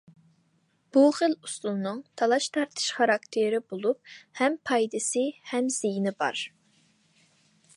بۇ خىل ئۇسۇلنىڭ تالاش- تارتىش خاراكتېرى بولۇپ، ھەم پايدىسى، ھەم زىيىنى بار.